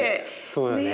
そうよね。